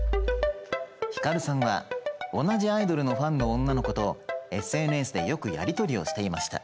光さんは同じアイドルのファンの女の子とＳＮＳでよくやり取りをしていました。